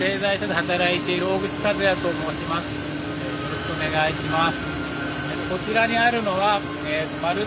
よろしくお願いします。